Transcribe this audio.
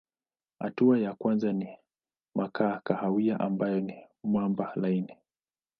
Hatua ya kwanza ni makaa kahawia ambayo ni mwamba laini.